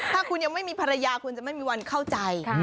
ถ้าคุณยังไม่มีภรรยาคุณจะไม่มีวันเข้าใจ